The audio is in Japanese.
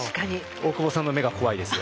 大久保さんの目が怖いですよ。